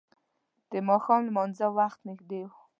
د ماښام لمانځه وخت نږدې و.